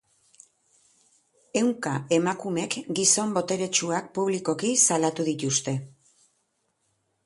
Ehunka emakumek gizon boteretsuak publikoki salatu dituzte.